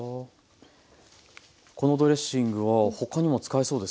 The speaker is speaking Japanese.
このドレッシングは他にも使えそうですね。